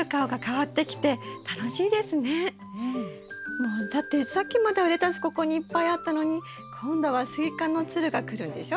もうだってさっきまではレタスここにいっぱいあったのに今度はスイカのつるが来るんでしょ。